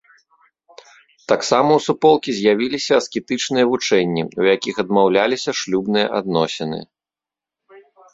Таксама ў суполкі з'явіліся аскетычныя вучэнні, у якіх адмаўляліся шлюбныя адносіны.